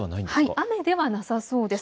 雨ではなさそうです。